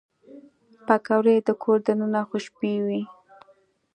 پکورې د کور دننه خوشبويي وي